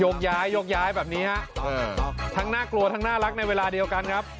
ย้ายยกย้ายแบบนี้ฮะทั้งน่ากลัวทั้งน่ารักในเวลาเดียวกันครับ